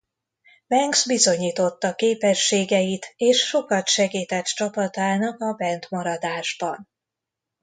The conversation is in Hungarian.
Banks bizonyította képességeit és sokat segített csapatának a bent maradásban.